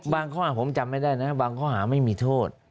ข้อหาผมจำไม่ได้นะบางข้อหาไม่มีโทษ